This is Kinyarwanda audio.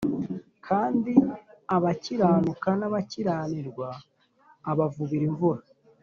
kandi abakiranuka n’abakiranirwa abavubira imvura